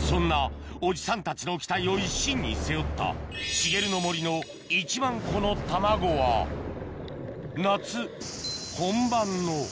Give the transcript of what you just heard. そんなおじさんたちの期待を一身に背負った茂の森の１万個の卵は夏本番の・